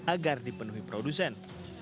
agar dipenuhi produsen